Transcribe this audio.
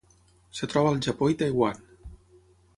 Es troba al Japó i Taiwan.